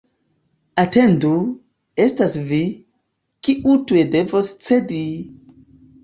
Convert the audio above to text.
Atendu, estas vi, kiu tuj devos cedi!